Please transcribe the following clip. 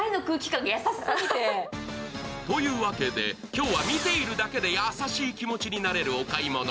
今日は見ているだけで優しい気持ちになれるお買い物